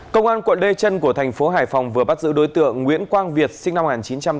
công an quận lê trân của thành phố hải phòng vừa bắt giữ đối tượng nguyễn quang việt sinh năm một nghìn chín trăm tám mươi